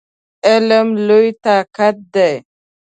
علم لوی طاقت دی!